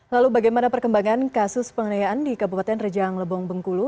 lalu bagaimana perkembangan kasus pengenayaan di kabupaten rejang lebong bengkulu